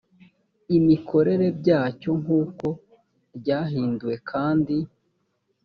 imikorere byacyo nk uko ryahinduwe kandi